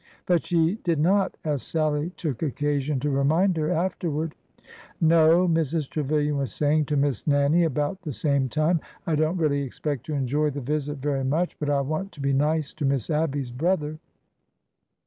But she did not, as Sallie took occasion to remind her afterward. " No," Mrs. Trevilian was saying to Miss Nannie about the same time. I don't really expect to enjoy the visit very much, but I want to be nice to Miss Abby's brother.